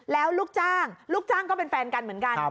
แล้วลูกจ้างลูกจ้างก็เป็นแฟนกันเหมือนกัน